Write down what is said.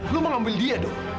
lu mau ngambil dia dong